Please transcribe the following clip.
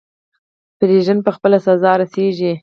بیژن په خپله سزا رسیږي.